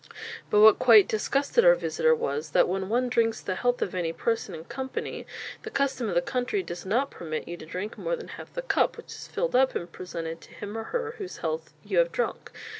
But what quite disgusted our visitor was "that when one drinks the health of any person in company, the custom of the country does not permit you to drink more than half the cup, which is filled up and presented to him or her whose health you have drunk.